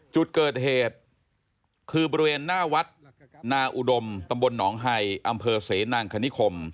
จุดเกิดเหตุคือบริเวณหน้าวัดนาอุดมตำบลหนองไฮอำเภอเสนางคณิคม